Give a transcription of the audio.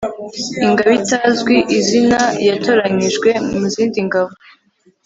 ingabo itazwi izina yatoranyijwe mu zindi ngabo